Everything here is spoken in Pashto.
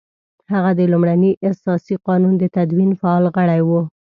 هغه د لومړني اساسي قانون د تدوین فعال غړی وو.